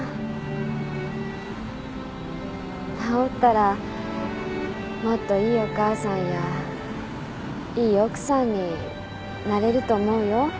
治ったらもっといいお母さんやいい奥さんになれると思うよ。